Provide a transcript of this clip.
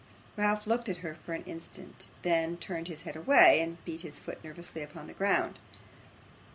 Ralph looked at her for an instant; then turned away his head, and beat his foot nervously upon the ground.